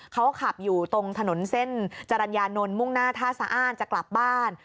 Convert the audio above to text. เขาขับอยู่ตรงถนนเส้นจรัญญานนท์มุ่งหน้าท่าสะอ้านจะกลับบ้าน